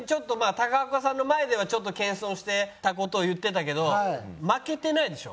高岡さんの前ではちょっと謙遜してた事を言ってたけど負けてないでしょ？